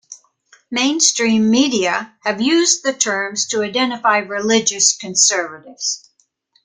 Mainstream media have used the terms to identify religious conservatives.